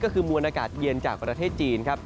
ก็คือมวลอากาศเย็นจากประเทศจีนครับ